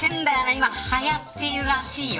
今、はやってるらしいよ。